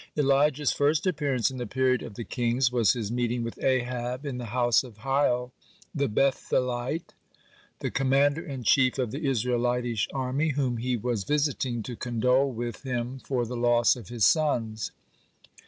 (4) Elijah's first appearance in the period of the Kings was his meeting with Ahab in the house of Hiel, the Beth elite, the commander in chief of the Israelitish army, whom he was visiting to condole with him for the loss of his sons.